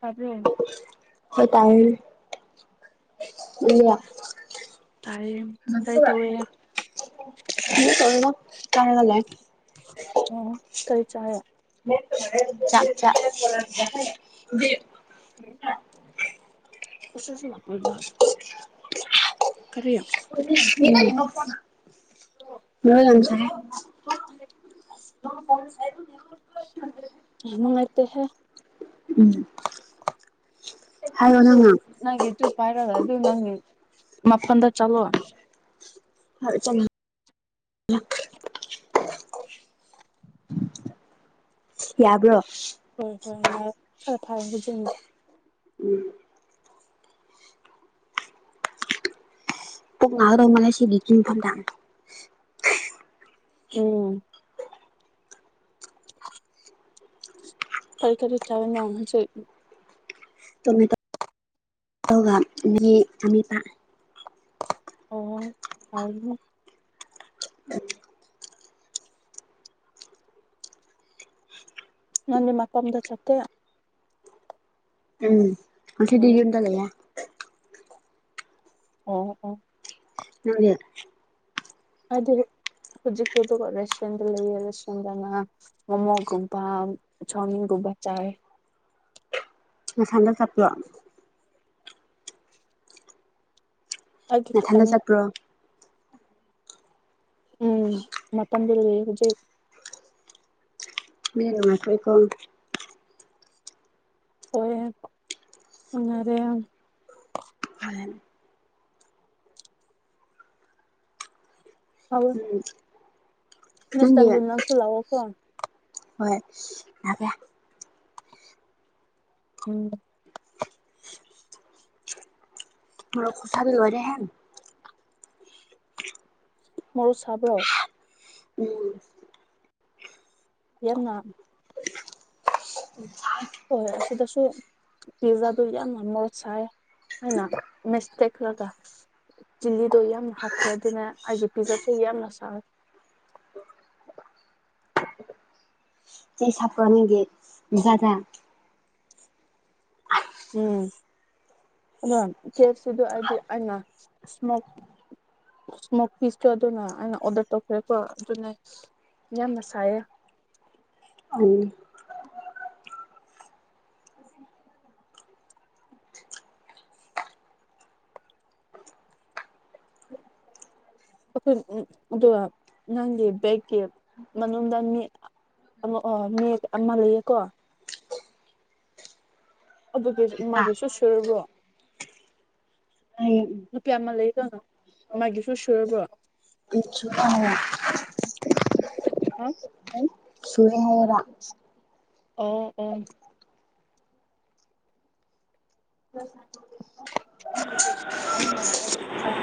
ꯇꯥꯕ꯭ꯔꯣ ꯍꯣꯏ ꯇꯥꯏꯑꯦ [unintelligible] ꯇꯥꯏꯌꯦ ꯀꯔꯤ ꯇꯧꯋꯦ [unintelligible] ꯆꯪꯉ ꯂꯩ ꯑꯣ ꯀꯔꯤ ꯆꯥꯔꯦ ꯆꯥꯛ ꯆꯥ [inaudible] [unintelligible] ꯀꯔꯤ [unintelligible] ꯅꯣꯏ ꯂꯝ [unintelligible] ꯅꯨꯡꯉꯥꯏꯇꯦ ꯍꯦ ꯎꯝ ꯍꯥꯏꯌꯣ ꯅꯪꯁꯨ ꯅꯪꯅ ꯅꯪꯒꯤꯖꯨ ꯄꯥꯏꯔꯒ ꯑꯗꯨ ꯅꯪꯒꯤ ꯃꯐꯝꯗ ꯆꯠꯂꯣ [unintelligible] ꯌꯥꯕ꯭ꯔꯣ ꯍꯣꯏ ꯍꯣꯏ ꯌꯥꯏ ꯁꯥ ꯐꯥꯏ [unintelligible] ꯎꯝ ꯄꯨꯛ ꯅꯒꯗꯧ ꯃꯥꯜꯂꯦ ꯁꯤꯒꯤ ꯀꯤꯡꯐꯝ [unintelligible] ꯏꯝ ꯀꯔꯤ ꯀꯔꯤ ꯆꯥꯔꯦ ꯅꯪ ꯍꯧꯖꯤꯛ ꯇꯣꯃꯦꯇꯣ [inaudible] ꯒꯤ ꯑꯃꯦꯠꯄ ꯑꯣ [unintelligible] [inaudible] ꯅꯪꯗꯤ ꯃꯇꯝꯗ ꯆꯠꯇꯦ ꯎꯝ ꯉꯁꯤꯗꯤ ꯑꯣ ꯌꯨꯝꯗ ꯂꯩꯌꯦ ꯎꯝ ꯎꯝ ꯀꯔꯤ ꯑꯗꯨ ꯍꯧꯖꯤꯛꯇꯤ ꯑꯗꯨꯒ ꯔꯦꯁꯇ꯭ꯔꯨꯌꯦꯟꯗ ꯂꯩꯌꯦ ꯔꯦꯁꯇ꯭ꯔꯨꯌꯦꯟꯗꯅ ꯃꯣꯃꯣꯒꯨꯝꯕ ꯆꯥꯎꯃꯤꯟ [unintelligible] ꯆꯥꯏꯑꯦ ꯅꯊꯟꯗ ꯆꯠꯄ꯭ꯔꯣ ꯑꯩꯒꯤ ꯅꯊꯟꯗ ꯈꯛꯇꯅꯤ ꯆꯠꯄ꯭ꯔꯣ ꯎꯝ ꯃꯄꯟꯗ ꯂꯩꯌꯦ ꯍꯧꯖꯤꯛ ꯃꯤꯅ ꯅꯨꯡꯉꯥꯏ ꯈ꯭ꯔꯦꯀꯣ [unintelligible] ꯑꯦꯟ ꯍꯥꯎ ꯎꯝ ꯃꯤꯁ ꯅꯪꯒꯤ [unintelligible] ꯂꯛꯑꯣ ꯐꯣꯟ ꯍꯣꯏ [unintelligible] ꯎꯝ ꯃꯣꯔꯣꯛ ꯈꯨꯨꯁꯥꯗꯤ ꯂꯣꯏꯔꯦ ꯍꯦ ꯃꯣꯔꯣꯛ ꯁꯥꯕ꯭ꯔꯣ ꯎꯝ ꯌꯥꯝꯅ ꯍꯣꯏ ꯑꯁꯤꯗꯁꯨ ꯄꯤꯖꯥꯗꯨ ꯌꯥꯝꯅ ꯃꯣꯠ ꯁꯥꯏ ꯍꯥꯏꯅ ꯃꯤꯁꯇꯦꯛꯂꯒ ꯆꯤꯂꯤꯗꯣ ꯌꯥꯝꯅ ꯍꯥꯞꯈ꯭ꯔꯦ ꯑꯗꯨꯅ ꯑꯩꯒꯤ ꯄꯤꯖꯥꯁꯨ ꯌꯥꯝꯅ ꯁꯥꯢ ꯆꯩꯁ ꯍꯥꯞꯄ꯭ꯔꯥ ꯅꯪꯒꯤ ꯄꯤꯖꯥꯗ ꯎꯝ ꯑꯗꯣ ꯀꯦ ꯑꯦꯐ ꯁꯤꯗꯣ ꯑꯩꯗꯤ ꯑꯩꯅ ꯁꯃꯣꯜ ꯁꯃꯣꯥ ꯄꯤꯁꯇꯣ ꯑꯗꯨꯅ ꯑꯩꯅ ꯑꯣꯔꯗꯔ ꯇꯧꯈ꯭ꯔꯦꯀꯣ ꯑꯗꯨꯅꯦ ꯌꯥꯝꯅ ꯁꯥꯏꯌꯦ ꯎꯝ ꯑꯩꯈꯣꯏ ꯎꯜ ꯑꯗꯨꯒ ꯅꯪꯒꯤ ꯕꯦꯛꯀꯤ ꯃꯅꯨꯡꯗ ꯃꯤ ꯑꯃꯛ ꯑꯣ ꯃꯤ ꯑꯃ ꯂꯩꯌꯦꯀꯣ ꯑꯗꯨꯒꯤ ꯃꯥꯒꯤꯁꯨ ꯁꯨꯔꯕ꯭ꯔꯣ ꯍꯌꯦꯡ ꯅꯨꯄꯤ ꯑꯃ ꯂꯩꯗꯅ ꯃꯥꯏꯒꯤꯁꯨ ꯁꯨꯔꯕ꯭ꯔꯣ [unintelligible] [inaudible] ꯁꯨꯨꯔꯦ ꯍꯥꯏꯌꯦꯕ ꯑꯣ ꯑꯣ [inaudible]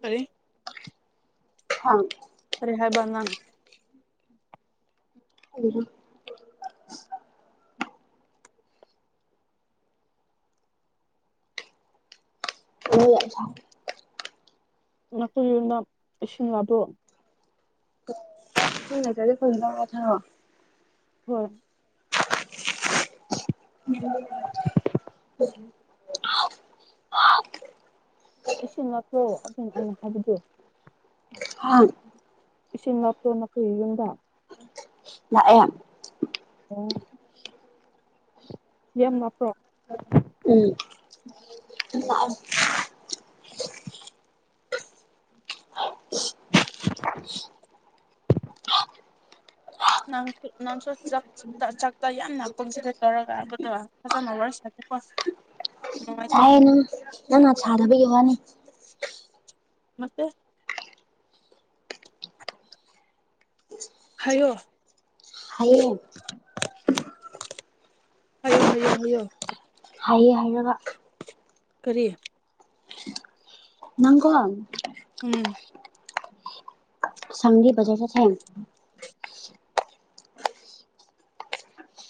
ꯀꯔꯤ ꯀꯔꯤ ꯍꯥꯏꯕ꯭ꯔꯥ ꯅꯪ ꯍꯥꯡ ꯂꯣꯏ ꯌꯥꯝ ꯁꯥꯏ ꯅꯈꯣꯏ ꯌꯨꯝꯗ ꯏꯁꯤꯡ ꯑꯗꯨ [unintelligible] ꯍꯣꯏ [unintelligible] ꯏꯁꯤꯡ ꯅꯛꯄ꯭ꯔꯣ ꯑꯗꯨꯅꯦ ꯑꯩꯅ ꯍꯥꯏꯕꯗꯨ ꯍꯥꯥ ꯏꯁꯤꯡ ꯅꯄꯛꯄ꯭ꯔꯣ ꯅꯈꯣꯢꯒꯤ ꯌꯨꯝꯗ ꯅꯛꯑꯦ ꯎꯝ ꯌꯥꯝ ꯅꯛꯄ꯭ꯔꯣ ꯎꯝ [inaudible] ꯅꯪꯁꯨ ꯅꯪꯁꯨ ꯆꯥꯛ ꯆꯥꯛꯇ ꯌꯥꯝ ꯀꯣꯟꯁꯟꯇ꯭ꯕꯦꯠ ꯇꯧꯔꯒ ꯉꯥꯡꯕꯗꯣ ꯐꯖꯅ ꯋꯥꯔꯤ ꯁꯥ [unintelligible] ꯁꯥꯢꯌꯦꯅꯦ ꯅꯪꯅ ꯁꯥꯗꯕꯒꯤ ꯋꯥꯅꯦ ꯅꯠꯇꯦ ꯍꯥꯏꯌꯣ ꯍꯥꯢꯌꯦ ꯍꯥꯏꯌꯣ ꯍꯥꯏꯌꯣ ꯍꯥꯏꯌꯣ ꯍꯥꯏꯌꯦ ꯍꯥꯏꯔꯒ ꯀꯔꯤ ꯅꯪ ꯀꯣ ꯎꯝ ꯁꯪꯗꯤ ꯕ꯭ꯖꯥꯔ ꯆꯠꯁꯦ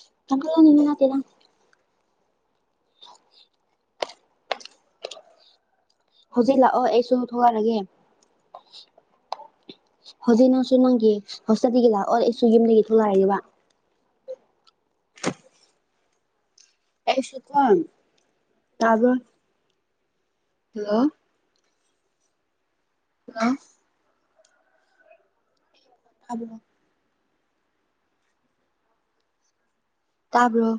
[unintelligible] ꯍꯧꯖꯤꯛ ꯂꯥꯛꯑꯣ ꯑꯩꯁꯨ ꯊꯛꯑꯔꯒꯦ ꯍꯧꯖꯤꯛ ꯅꯪꯁꯨ ꯅꯪꯒꯤ ꯍꯣꯁꯇꯠꯗꯒꯤ ꯂꯥꯛꯑꯣ ꯑꯩꯁꯨ ꯌꯨꯝꯗꯒꯤ ꯊꯣꯛꯂꯛꯑꯒꯦꯕ ꯑꯦꯁꯨ ꯀꯣꯟ ꯇꯥꯕ꯭ꯔꯣ ꯍꯜꯂꯣ ꯍꯜꯂꯣ [inaudible] ꯇꯥꯕ꯭ꯔꯣ